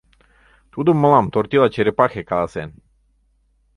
Тудым мылам Тортила черепахе каласен.